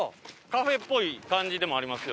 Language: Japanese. カフェっぽい感じでもあります